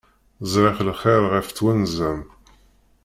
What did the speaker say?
Ẓriɣ lxir ɣef twenza-m.